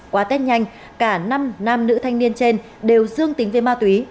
qua tết nhanh cả năm nam nữ thanh niên trên đều dương tính với ma túy